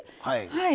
はい。